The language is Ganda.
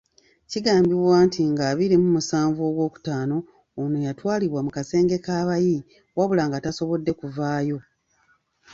Kigambibwa nti nga abiri mu musanvu Ogw'okutano, ono yatwalibwa mu kasenge k'abayi wabula nga tasobodde kuvaayo.